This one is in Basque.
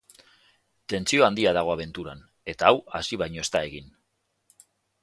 Tentsio handia dago abenturan, eta hau hasi baino ez da egin.